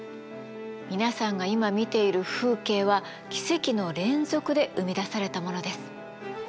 皆さんが今見ている風景は奇跡の連続で生み出されたものです。